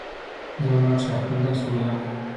ځه ولاړ سه ، خپل درس ووایه